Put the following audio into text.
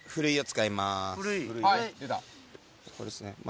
出たこれですね